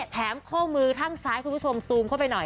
ข้อมือข้างซ้ายคุณผู้ชมซูมเข้าไปหน่อย